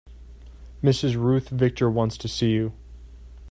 Mrs. Ruth Victor wants to see you.